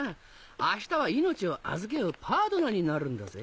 明日は命を預け合うパートナーになるんだぜ？